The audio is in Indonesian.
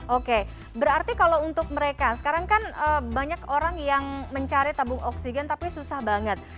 oke berarti kalau untuk mereka sekarang kan banyak orang yang mencari tabung oksigen tapi susah banget